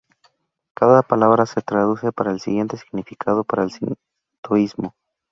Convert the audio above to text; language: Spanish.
Cada palabra se traduce para el siguiente significado para el sintoísmo.